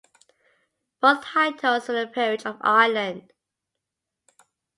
Both titles were in the Peerage of Ireland.